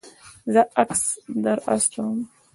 زه عکس در استوم